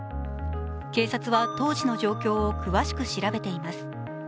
警察は、当時の状況を詳しく調べています。